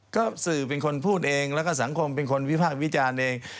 ก็สื่อเป็นคนพูดเองแล้วก็สังคมเป็นคนวิพากษ์วิจารณ์เอง